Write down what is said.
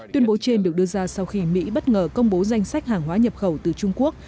tuyên bố trên được đưa ra sau khi mỹ bất ngờ công bố danh sách hàng hóa nhập khẩu từ trung quốc